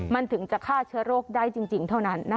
มันถึงจะฆ่าเชื้อโรคได้จริงเท่านั้น